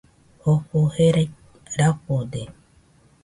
Jofo jerai rafode